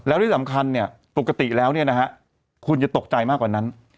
แล้วที่สำคัญเนี่ยปกติแล้วเนี่ยนะฮะคุณจะตกใจมากกว่านั้น